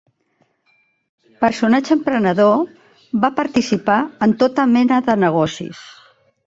Personatge emprenedor, va participar en tota mena de negocis.